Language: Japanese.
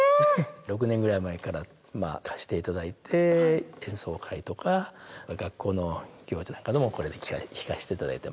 ６年ぐらい前から貸して頂いて演奏会とか学校の行事なんかでもこれで弾かせて頂いてます。